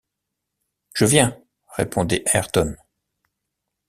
Je viens, » répondait Ayrton.